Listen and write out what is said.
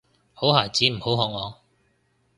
好孩子唔好學我